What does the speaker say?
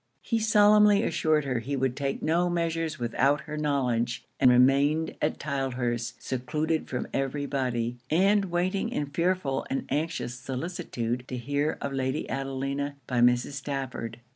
He solemnly assured her he would take no measures without her knowledge; and remained at Tylehurst, secluded from every body, and waiting in fearful and anxious solicitude to hear of Lady Adelina by Mrs. Stafford.